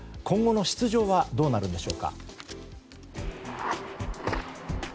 今後の出場はどうなるんでしょうか。